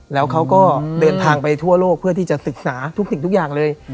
แล้วเขาก็เดินทางไปทั่วโลกเพื่อที่จะศึกษาทุกสิ่งทุกอย่างเลย